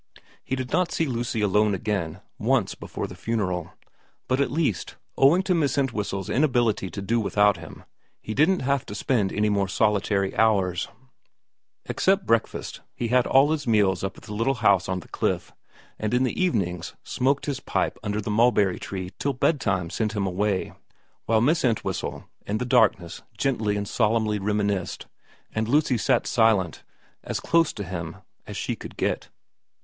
He did not see Lucy alone again once before the funeral, but at least, owing to Miss Entwhistle's inability to do without him, he didn't have to spend any more solitary hours. 31 32 VERA iv Except breakfast, he had all his meals up in the little house on the cliff, and in the evenings smoked his pipe under the mulberry tree till bedtime sent him away, while Miss Entwhistle in the darkness gently and solemnly reminisced, and Lucy sat silent, as close to him as she could get.